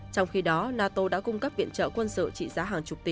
trong khi đó nato đã cung cấp viện trợ quân sự trị giá hàng chục tỷ